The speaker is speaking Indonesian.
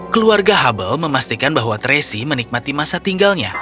keluarga habe memastikan bahwa tracy menikmati masa tinggalnya